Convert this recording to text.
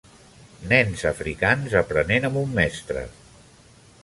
Nens africans aprenen amb un mestre.